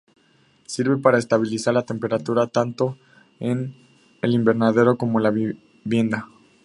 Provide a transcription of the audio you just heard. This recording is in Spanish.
Sirve para estabilizar la temperatura tanto en el invernadero como en la vivienda.